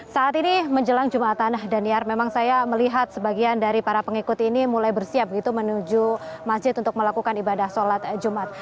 saat ini menjelang jumatan daniar memang saya melihat sebagian dari para pengikut ini mulai bersiap gitu menuju masjid untuk melakukan ibadah sholat jumat